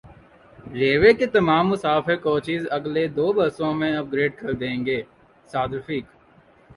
railway کی تمام مسافر کوچز اگلے دو برسوں میں اپ گریڈ کر دیں گے سعد رفیق